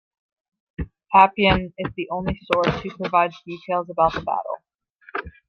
Appian is the only source who provides details about the battle.